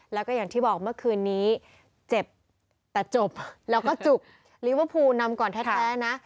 แล้วก็อย่างที่บอกเมื่อคืนนี้เจ็บแต่จบแล้วก็จุกลิเวอร์พูลนำก่อนแท้นะ